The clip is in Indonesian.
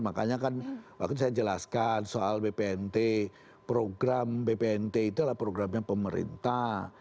makanya kan waktu saya jelaskan soal bpnt program bpnt itu adalah programnya pemerintah